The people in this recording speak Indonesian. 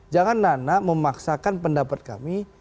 jangan nana memaksakan pendapat kami